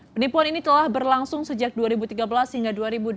penipuan ini telah berlangsung sejak dua ribu tiga belas hingga dua ribu delapan belas